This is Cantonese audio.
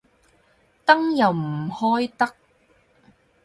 燈又唔開得